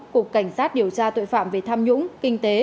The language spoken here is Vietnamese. cục cảnh sát điều tra tội phạm về tham nhũng kinh tế